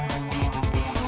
tidak ada yang bisa dikunci